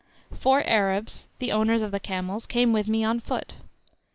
Four Arabs, the owners of the camels, came with me on foot.